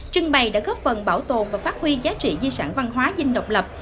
trưng bày đã góp phần bảo tồn và phát huy giá trị di sản văn hóa dinh độc lập